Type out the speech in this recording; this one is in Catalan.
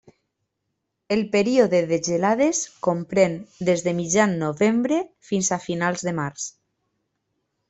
El període de gelades comprèn des de mitjan novembre fins a finals de març.